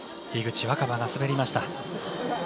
樋口新葉が滑りました。